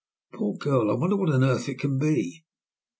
"Poor girl, I wonder what on earth it can be?"